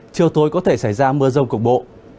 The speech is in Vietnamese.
chiều tối có thể xảy ra mưa rông cục bộ